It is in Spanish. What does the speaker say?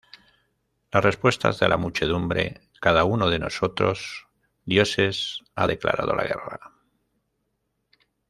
Las respuestas de la muchedumbre, ¡""Cada uno de nosotros dioses ha declarado la guerra!